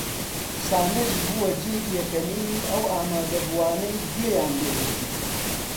قسانەش بووە جێی پێکەنینی ئەو ئامادەبووانەی گوێیان لێ گرتبوو